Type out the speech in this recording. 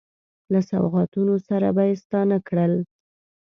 له سوغاتونو سره به یې ستانه کړل.